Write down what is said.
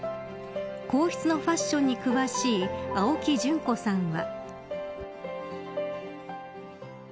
皇室のファッションに詳しい青木淳子さんは。